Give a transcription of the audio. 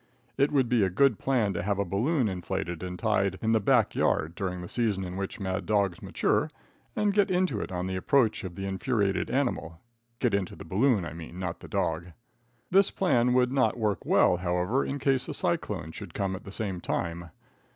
It would be a good plan to have a balloon inflated and tied in the back yard during the season in which mad dogs mature, and get into it on the approach of the infuriated animal (get into the balloon, I mean, not the dog). This plan would not work well, however, in case a cyclone should come at the same time.